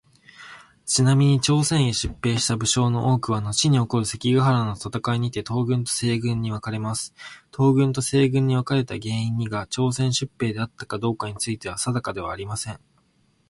ちなみに、朝鮮へ出兵した武将の多くはのちに起こる関ヶ原の戦いにて東軍と西軍に分かれます。東軍と西軍に分かれた原因にが朝鮮出兵であったかどうかについては定かではありません。